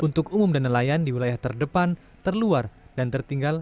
untuk umum dan nelayan di wilayah terdepan terluar dan tertinggal